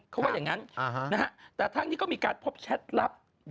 เขาว่าอย่างนั้นแต่ทั้งนี้ก็มีการพบแชทลับ